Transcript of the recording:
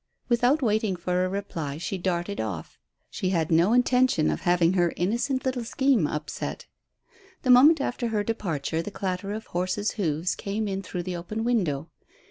Without waiting for a reply she darted off. She had no intention of having her innocent little scheme upset. The moment after her departure the clatter of horse's hoofs came in through the open window.